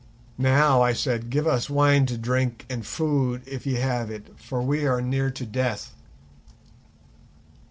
"Now," I said, "give us wine to drink and food, if ye have it, for we are near to death."